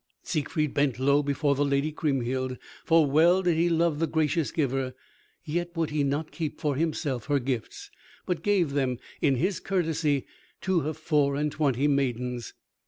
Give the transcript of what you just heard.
Siegfried bent low before the lady Kriemhild, for well did he love the gracious giver, yet would he not keep for himself her gifts, but gave them, in his courtesy, to her four and twenty maidens.